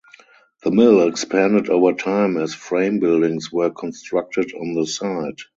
The mill expanded over time as frame buildings were constructed on the site.